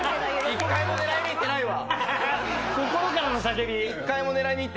１回も狙いにいってないわ。